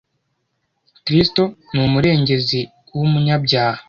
Kristo ni Umurengezi w’umunyabyaha